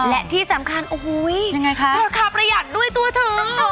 และที่สำคัญโอ้โหราคาประหยัดด้วยตัวเธอ